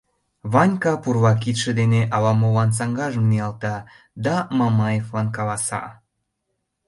Ванька пурла кидше дене ала-молан саҥгажым ниялта да Мамаевлан каласа: